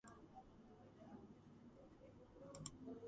ისიძუტი ცნობილია როგორც „სიკოკუს სახურავი“.